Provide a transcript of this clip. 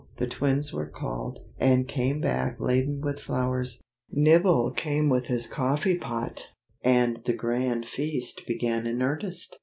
The twins were called, and came back laden with flowers; Nibble came with his coffee pot, and the grand feast began in earnest.